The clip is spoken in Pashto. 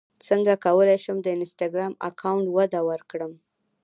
څنګه کولی شم د انسټاګرام اکاونټ وده ورکړم